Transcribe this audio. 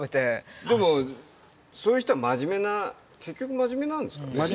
でもそういう人はまじめな結局まじめなんですかね。